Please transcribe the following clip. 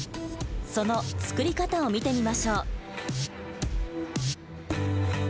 その作り方を見てみましょう。